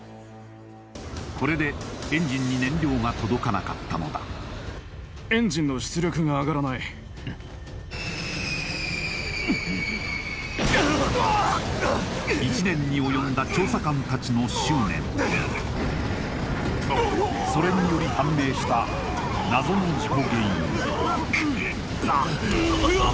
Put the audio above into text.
これでエンジンに燃料が届かなかったのだエンジンの出力が上がらない１年に及んだ調査官たちの執念それにより判明した謎の事故原因うお！